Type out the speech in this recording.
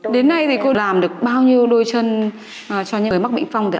đến nay thì cô làm được bao nhiêu đôi chân cho những người mắc bệnh phong thế ạ